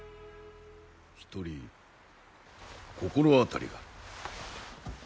一人心当たりがある。